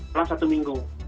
dalam satu minggu